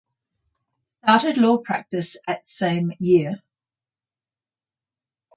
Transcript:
Started law practice at same year.